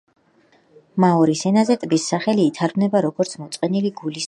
მაორის ენაზე ტბის სახელი ითარგმნება როგორც „მოწყენილი გულის ტბა“.